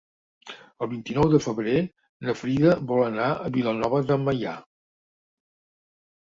El vint-i-nou de febrer na Frida vol anar a Vilanova de Meià.